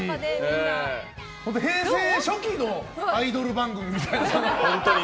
平成初期のアイドル番組みたいな。